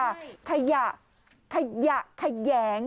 ขยะขยะแขยง